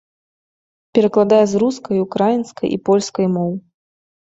Перакладае з рускай, украінскай і польскай моў.